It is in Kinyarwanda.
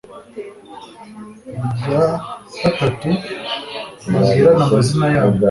rya batatu, babwirane amazina yabo